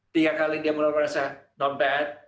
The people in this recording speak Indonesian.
tiga kali dia mulai merasa tidak terlalu baik